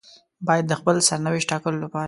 بايد د خپل سرنوشت ټاکلو لپاره.